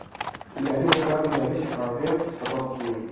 اداري مقررات د ادارې د شفافیت سبب کېږي.